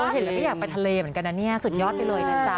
เห็นแล้วก็อยากไปทะเลเหมือนกันนะเนี่ยสุดยอดไปเลยนะจ๊ะ